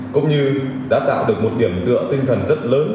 cũng như đã tạo được một điểm tựa tinh thần rất lớn